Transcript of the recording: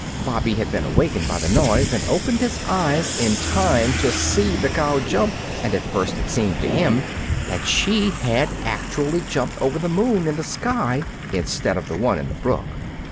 Bobby had been awakened by the noise, and opened his eyes in time to see the cow jump; and at first it seemed to him that she had actually jumped over the moon in the sky, instead of the one in the brook.